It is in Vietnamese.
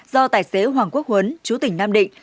do tài xế hoàng quốc huấn chú tỉnh nam định